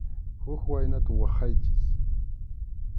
Huk waynata waqyaychik.